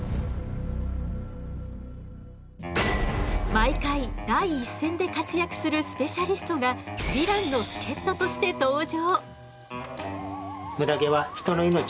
毎回第一線で活躍するスペシャリストがヴィランの助っととして登場。